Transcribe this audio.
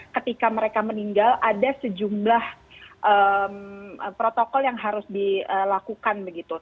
ketika mereka meninggal ada sejumlah protokol yang harus dilakukan begitu